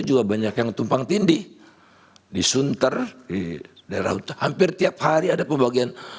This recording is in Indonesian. juga banyak yang tumpang tindi disunter di daerah utama hampir tiap hari ada pembagian